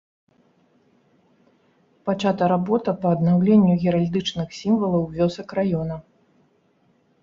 Пачата работа па аднаўленню геральдычных сімвалаў вёсак раёна.